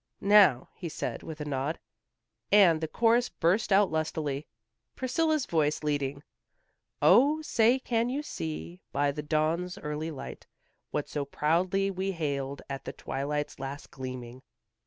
"Now," he said, with a nod, and the chorus burst out lustily, Priscilla's voice leading. "O, say, can you see by the dawn's early light, What so proudly we hailed at the twilight's last gleaming."